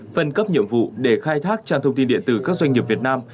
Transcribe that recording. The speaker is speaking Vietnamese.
phân cấp nhiệm vụ để khai thác trang thông tin điện tử các doanh nghiệp việt nam